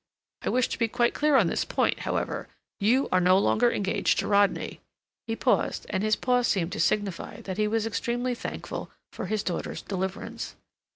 I wish to be quite clear on this point, however; you are no longer engaged to Rodney." He paused, and his pause seemed to signify that he was extremely thankful for his daughter's deliverance.